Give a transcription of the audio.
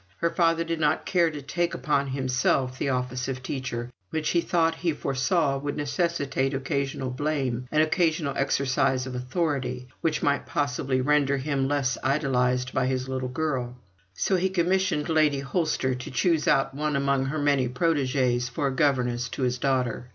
Her father did not care to take upon himself the office of teacher, which he thought he foresaw would necessitate occasional blame, an occasional exercise of authority, which might possibly render him less idolized by his little girl; so he commissioned Lady Holster to choose out one among her many protegees for a governess to his daughter.